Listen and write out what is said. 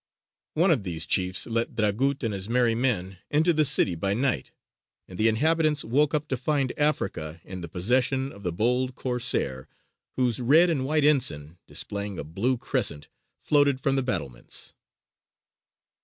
One of these chiefs let Dragut and his merry men into the city by night, and the inhabitants woke up to find "Africa" in the possession of the bold Corsair whose red and white ensign, displaying a blue crescent, floated from the battlements.